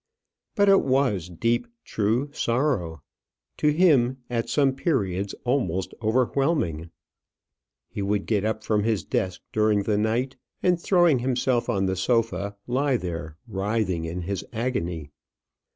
But it was deep, true sorrow to him at some periods almost overwhelming: he would get up from his desk during the night, and throwing himself on the sofa, lie there writhing in his agony.